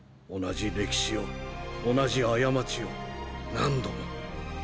同じ歴史を同じ過ちを何度も。